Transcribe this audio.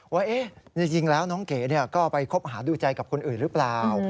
ว่าจริงแล้วน้องเก๋ก็ไปคบหาดูใจกับคนอื่นหรือเปล่า